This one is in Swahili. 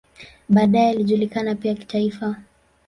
Baadaye alijulikana pia kitaifa.